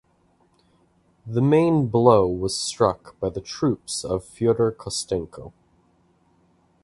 The main blow was struck by the troops of Fyodor Kostenko.